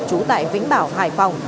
chú tại vĩnh bảo hải phòng